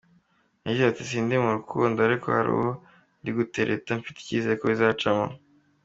Yagize ati "Sindi mu rukundo ariko hari uwo ndi gutereta, mfite icyizere ko bizacamo.